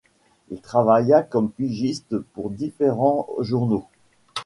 Il travailla comme pigiste pour différents journaux.